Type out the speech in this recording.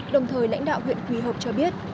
đồng thời lãnh đạo huyện quỳ hợp cho biết